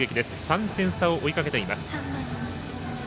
３点差を追いかけています。